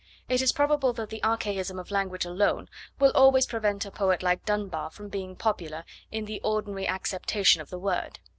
It is probable that the archaism of language alone will always prevent a poet like Dunbar from being popular in the ordinary acceptation of the word.